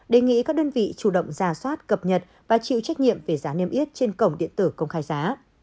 đề nghị các đơn vị chủ động ra soát cập nhật và chịu trách nhiệm về giá niêm yết trên cổng điện tử công khai giá